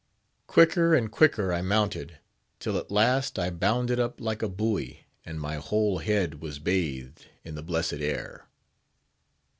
Quicker and quicker I mounted; till at last I bounded up like a buoy, and my whole head was bathed in the blessed air.